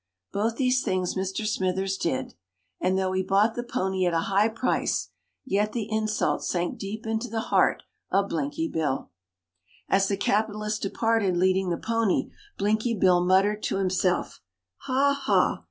Both these things Mr. Smythers did; and, though he bought the pony at a high price, yet the insult sank deep into the heart of Blinky Bill. As the capitalist departed leading the pony, Blinky Bill muttered to himself, "Ha! ha!